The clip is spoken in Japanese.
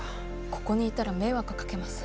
ここにいたら迷惑かけます。